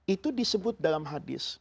itu disebut dalam hadis